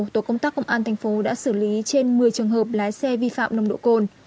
tổ công tác công an thành phố đã xử lý trên một mươi trường hợp lái xe vi phạm nồng độ cồn